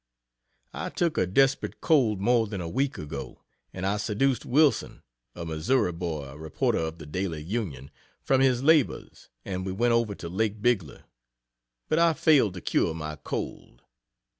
I took a desperate cold more than a week ago, and I seduced Wilson (a Missouri boy, reporter of the Daily Union,) from his labors, and we went over to Lake Bigler. But I failed to cure my cold.